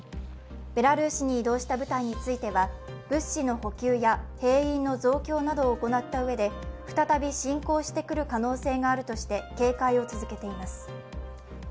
ベラルーシに移動した部隊については物資の補給や兵員の増強などを行ったうえで再び侵攻してくる可能性があるとして警戒を続けています。